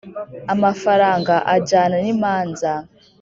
amafaranga ajyana n imanza